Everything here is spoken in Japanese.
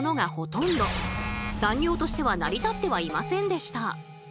産業としては成り立ってはいませんでした。